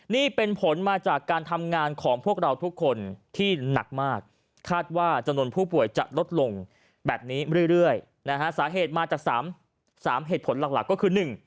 นี่เป็นผลมาจากการทำงานของพวกเราทุกคนที่หนักมากคาดว่าจำนวนผู้ป่วยจะลดลงแบบนี้เรื่อยนะฮะสาเหตุมาจาก๓เหตุผลหลักก็คือ